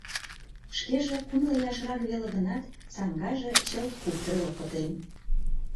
Шкеже кумыло ияшрак веле гынат, саҥгаже чылт куптыргыл пытен.